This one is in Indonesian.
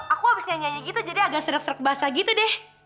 aku abis nyanyi nyanyi gitu jadi agak seret seret basah gitu deh